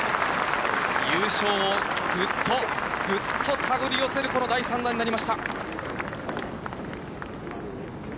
優勝をぐっとぐっと、手繰り寄せるこの第３打になりました。